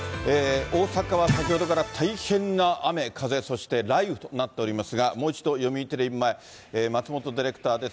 大阪は先ほどから大変な雨風、そして雷雨となっておりますが、もう一度、読売テレビ前、松本ディレクターです。